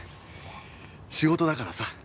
仕事だからさ。